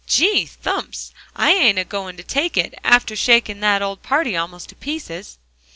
Gee thumps! I ain't a goin' to take it, after shaking that old party almost to pieces."